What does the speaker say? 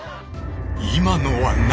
今のは何！？